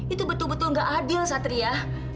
itu betul betul nggak adil satria